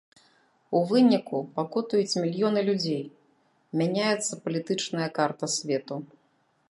У выніку пакутуюць мільёны людзей, мяняецца палітычная карта свету.